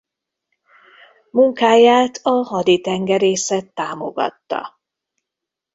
Munkáját a haditengerészet támogatta.